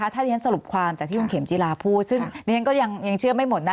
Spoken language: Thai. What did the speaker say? ถ้าเรียนสรุปความจากที่คุณเข็มจีราพูดซึ่งดิฉันก็ยังเชื่อไม่หมดนะ